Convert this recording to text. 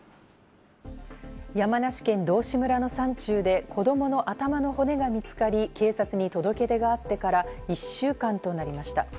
山梨県道志村の山中で子供の頭の骨が見つかり、警察に届け出があってから１週間となりました。